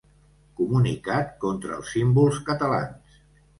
Comunicat contra els símbols catalans.